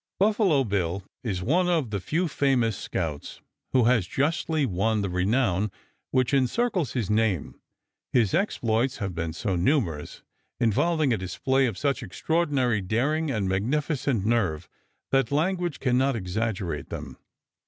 Buffalo Bill is one of the few famous scouts who has justly won the renown which encircles his name. His exploits have been so numerous, involving a display of such extraordinary daring and magnificent nerve, that language can not exaggerate them.